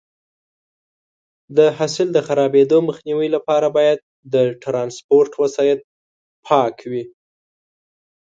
د حاصل د خرابېدو مخنیوي لپاره باید د ټرانسپورټ وسایط پاک وي.